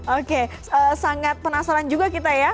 oke sangat penasaran juga kita ya